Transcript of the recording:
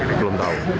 ini belum tahu